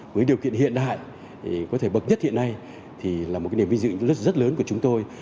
với điều kiện hiện đại có thể bậc nhất hiện nay thì là một nền viên dự rất lớn của chúng tôi